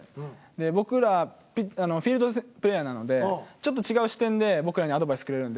僕らフィールドプレーヤーなのでちょっと違う視点で僕らにアドバイスくれるので。